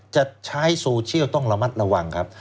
จะใช้โซเชียลต้องระมัดระวังครับ